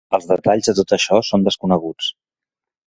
Els detalls de tot això són desconeguts.